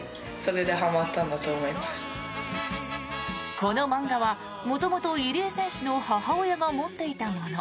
この漫画は元々、入江選手の母親が持っていたもの。